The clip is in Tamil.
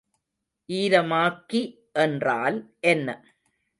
ஈரமாக்கி என்றால் என்ன?